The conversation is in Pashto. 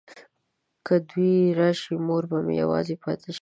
که دوی راشي مور به مې یوازې پاته شي.